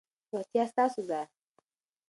روغتیا ستاسو ده.